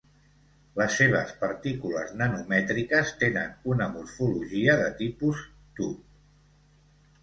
Les seves partícules nanomètriques tenen una morfologia de tipus tub.